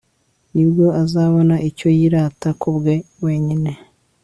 ni bwo azabona icyo yirata ku bwe wenyine